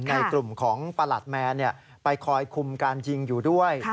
ในกลุ่มของประหลัดแมนไปคอยคุมการยิงอยู่ด้วย